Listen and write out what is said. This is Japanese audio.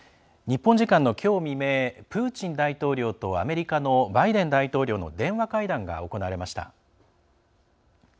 日本時間のきょう未明プーチン大統領とアメリカのバイデン大統領の電話会談が行われました。